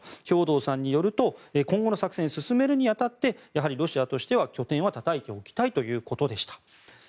兵頭さんによると今後の作戦を進めるに当たってやはりロシアとしては拠点はたたいておきたいということでした。